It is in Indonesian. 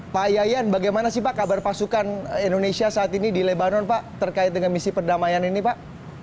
pak yayan bagaimana sih pak kabar pasukan indonesia saat ini di lebanon pak terkait dengan misi perdamaian ini pak